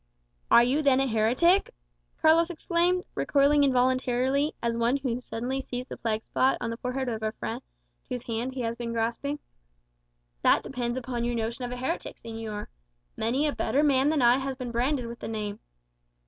"Are you then a heretic?" Carlos exclaimed, recoiling involuntarily, as one who suddenly sees the plague spot on the forehead of a friend whose hand he has been grasping. "That depends upon your notion of a heretic, señor. Many a better man than I has been branded with the name.